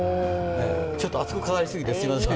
ちょっと熱く語りすぎてすみません。